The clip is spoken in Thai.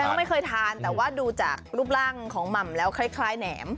ก็ไม่เคยทานแต่ว่าดูจากรูปร่างของหม่ำแล้วคล้ายแหนม